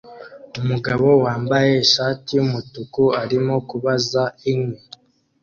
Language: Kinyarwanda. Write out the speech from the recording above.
Umugabo wambaye ishati yumutuku arimo kubaza inkwi